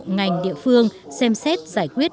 ngành địa phương xem xét giải quyết